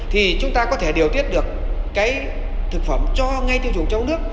thì chúng ta có thể điều tiết được cái thực phẩm cho ngay tiêu dùng trong nước